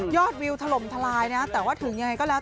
วิวถล่มทลายนะแต่ว่าถึงยังไงก็แล้ว